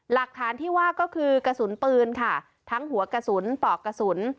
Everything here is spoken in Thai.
หลักฐานที่ว่าก็คือกระสุนปืนค่ะทั้งหัวกระสุนปอกกระสุน